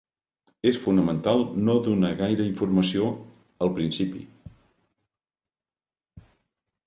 És fonamental no donar gaire informació, al principi.